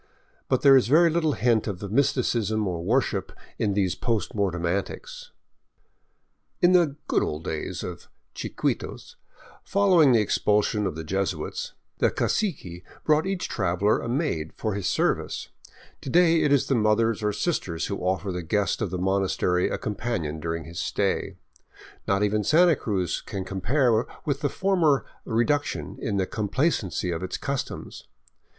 But there is very little hint of mysticism or worship in these post mortem antics. 583 VAGABONDING DOWN THE ANDES In the " good old days " of Chiquitos, following the expulsion of the Jesuits, the cacique brought each traveler a maid for his service. To day it is the mothers or sisters v^ho offer the guest of the monas tery a companion during his stay. Not even Santa Cruz can compare with the former " reduction " in the complacency of its customs.